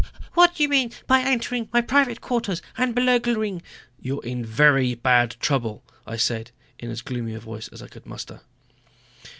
"What do you mean by entering my private quarters and burglaring " "You're in very bad trouble," I said in as gloomy a voice as I could muster.